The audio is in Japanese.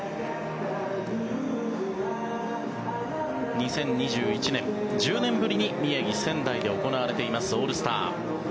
２０２１年１０年ぶりに宮城・仙台で行われていますオールスター。